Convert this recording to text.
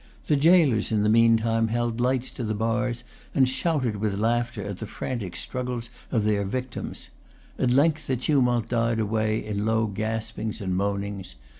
The gaolers in the meantime held lights to the bars, and shouted with laughter at the frantic struggles of their victims. At length the tumult died away in low gaspings and moanings.